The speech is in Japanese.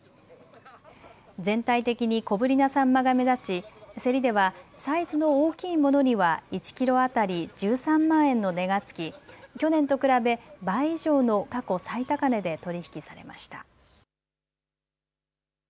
全体的に小ぶりなサンマが目立ち競りではサイズの大きいものには１キロ当たり１３万円の値がつき去年と比べ、倍以上の過去最高値で取り引きされました。